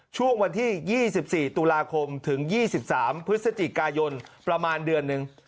ช่วงวันที่๒๔ตุลาคมถึง๒๓พฤศจิกายนประมาณเดือนหนึ่ง